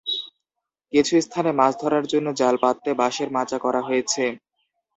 কিছু স্থানে মাছ ধরার জন্য জাল পাততে বাঁশের মাচা করা হয়েছে।